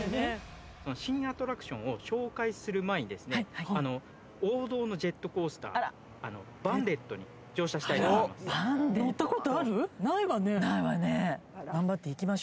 新アトラクションを紹介する前にですね、王道のジェットコースター、バンデットに乗車したいなと思います。